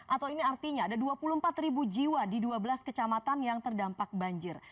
atau ini artinya ada dua puluh empat jiwa di dua belas kecamatan yang terdampak banjir